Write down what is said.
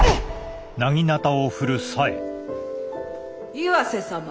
岩瀬様